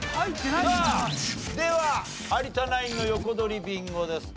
さあでは有田ナインの横取りビンゴです。